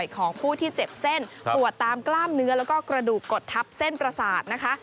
ของผู้ที่เจ็บเส้นปวดตามกล้ามเนื้อแล้วก็กระดูกกดทับเส้นประสาทนะคะ